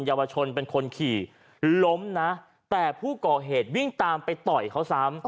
เยาวชนเป็นคนขี่ล้มนะแต่ผู้ก่อเหตุวิ่งตามไปต่อยเขาซ้ำ